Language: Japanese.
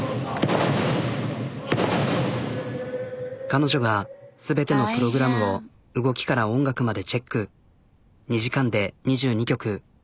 彼女が全てのプログラムを動きから音楽までチェック。